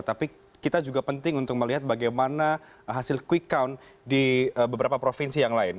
tapi kita juga penting untuk melihat bagaimana hasil quick count di beberapa provinsi yang lain